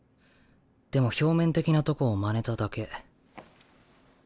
でも表面的なとこをまねただけ。